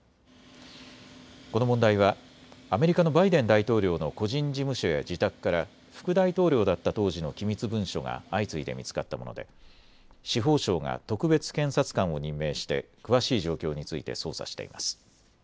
この問題はアメリカのバイデン大統領の個人事務所や自宅から副大統領だった当時の機密文書が相次いで見つかったもので司法省が特別検察官を任命して詳しい状況について捜査しています。